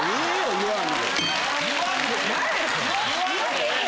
言わんでええよ！